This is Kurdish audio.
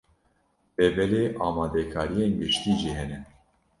Lê belê, amadekariyên giştî jî hene.